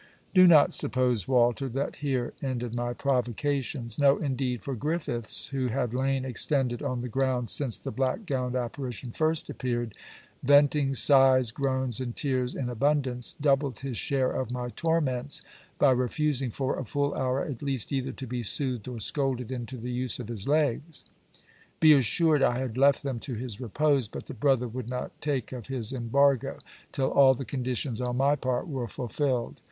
Do not suppose, Walter, that here ended my provocations. No, indeed; for Griffiths who had lain extended on the ground since the black gowned apparition first appeared, venting sighs, groans, and tears in abundance, doubled his share of my torments, by refusing for a full hour at least either to be soothed or scolded into the use of his legs. Be assured I had left him to his repose, but the brother would not take of his embargo, till all the conditions on my part were fulfilled.